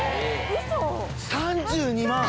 ３２万？